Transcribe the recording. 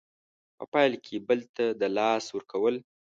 په پیل کې بل ته د لاس ورکول